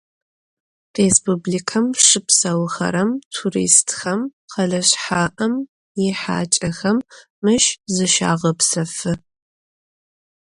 Rêspublikem şıpseuxerem, turistxem, khele şsha'em yihaç'exem mış zışağepsefı.